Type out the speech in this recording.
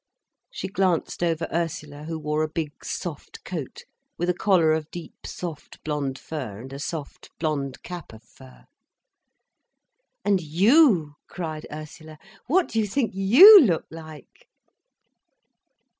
_" She glanced over Ursula, who wore a big soft coat with a collar of deep, soft, blond fur, and a soft blond cap of fur. "And you!" cried Ursula. "What do you think you look like!"